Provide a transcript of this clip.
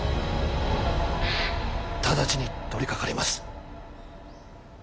直ちに取りかかります。